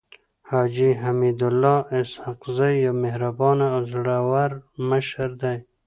حاجي حميدالله اسحق زی يو مهربانه او زړور مشر دی.